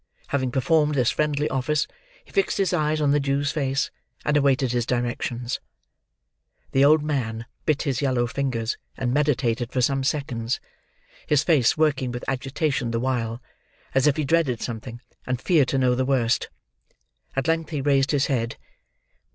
Having performed this friendly office, he fixed his eyes on the Jew's face, and awaited his directions. The old man bit his yellow fingers, and meditated for some seconds; his face working with agitation the while, as if he dreaded something, and feared to know the worst. At length he raised his head.